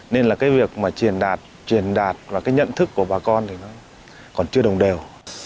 nên là cái việc mà truyền đạt truyền đạt và cái nhận thức của bà con thì nó còn chưa đồng đều